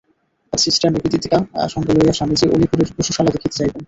আজ সিষ্টার নিবেদিতাকে সঙ্গে লইয়া স্বামীজী আলিপুরের পশুশালা দেখিতে যাইবেন।